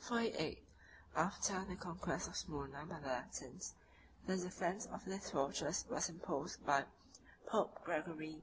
] 48 (return) [ After the conquest of Smyrna by the Latins, the defence of this fortress was imposed by Pope Gregory XI.